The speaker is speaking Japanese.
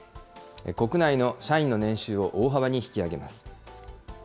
国内の社員の年収を大幅に引き上げます。